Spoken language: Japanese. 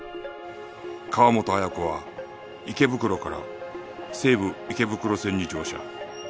川本綾子は池袋から西武池袋線に乗車